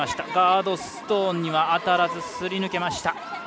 ガードストーンには当たらずすり抜けた。